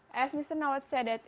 seperti yang mr nawat katakan